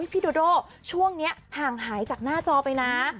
โดโด่ช่วงนี้ห่างหายจากหน้าจอไปนะ